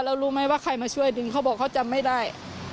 แล้วรู้ไหมว่าใครมาช่วยดึงเขาบอกเขาจำไม่ได้